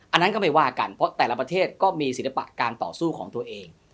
อันนั้นก็ไม่ว่ากันเพราะแต่ละประเทศก็มีศิลปะการต่อสู้ของตัวเอง